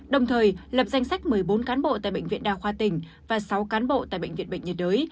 đồng thời lập danh sách một mươi bốn cán bộ tại bệnh viện đa khoa tỉnh và sáu cán bộ tại bệnh viện bệnh nhiệt đới